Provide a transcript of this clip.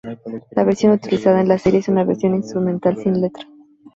La versión utilizada en la serie es una versión instrumental sin letra.